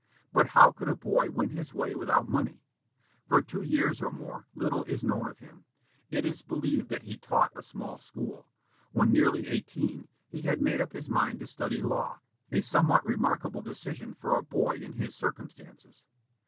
But how could a boy win his way without money? For two years or more, little is known of him. It is believed that he taught a small school. When nearly eighteen, he had made up his mind to study law, a somewhat remarkable decision for a boy in his circumstances.